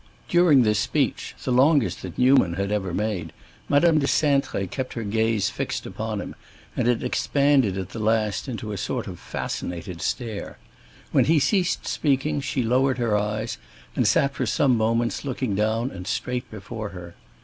During this speech, the longest that Newman had ever made, Madame de Cintré kept her gaze fixed upon him, and it expanded at the last into a sort of fascinated stare. When he ceased speaking she lowered her eyes and sat for some moments looking down and straight before her.